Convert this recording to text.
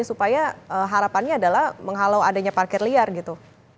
supaya harapannya adalah menghalau adanya parkir liar gitu